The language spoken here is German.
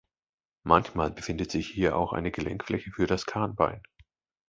Manchmal befindet sich hier auch eine Gelenkfläche für das Kahnbein.